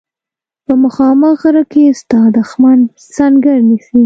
په مخامخ غره کې ستا دښمن سنګر نیسي.